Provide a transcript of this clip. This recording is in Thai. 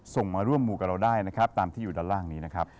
ส่งมาร่วมมูกับเราได้นะครับตามที่อยู่ด้านล่างนี้นะครับ